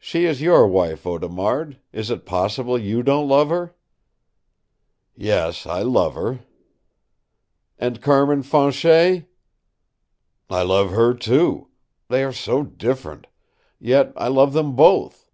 "She is your wife, Audemard, is it possible you don't love her?" "Yes, I love her." "And Carmin Fanchet?" "I love her, too. They are so different. Yet I love them both.